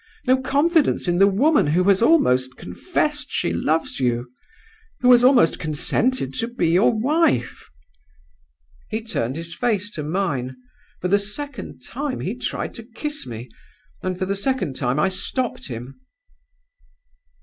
No confidence in the woman who has almost confessed she loves you who has almost consented to be your wife!' "He turned his face to mine. For the second time he tried to kiss me, and for the second time I stopped him.